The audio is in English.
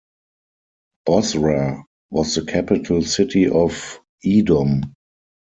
Bozrah was the capital city of Edom.